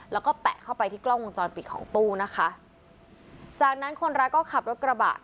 แล้วก็แปะเข้าไปที่กล้องวงจรปิดของตู้นะคะจากนั้นคนร้ายก็ขับรถกระบะ